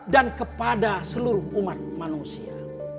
dan kepada seluruh umat manusia